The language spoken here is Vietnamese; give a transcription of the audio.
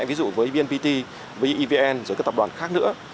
ví dụ với bnpt với evn với các tập đoàn khác nữa